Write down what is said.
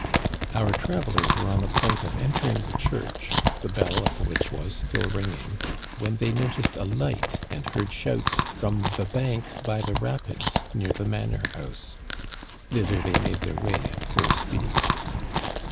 Our travelers were on the point of entering the church, the bell of which was still ringing, when they noticed a light and heard shouts from the bank by the rapids near the manor house. Thither they made their way at full speed.